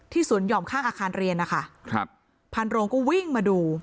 สวนหย่อมข้างอาคารเรียนนะคะครับพันโรงก็วิ่งมาดู